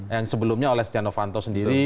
yang sebelumnya oleh stiano fanto sendiri